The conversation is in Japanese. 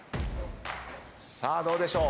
さあどうでしょう？